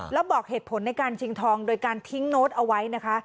แล้วบอกเหตุผลในการชิงทองโดยการทิ้งโน้ตเอาไว้นะคะ